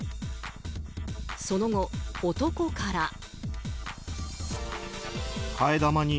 その後、男から。